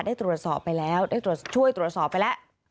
ได้ตรวจสอบไปแล้วได้ช่วยตรวจสอบไปแล้ว